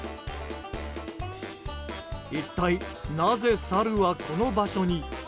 一体なぜ、サルはこの場所に？